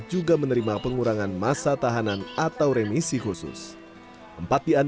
juga menerima pengundangan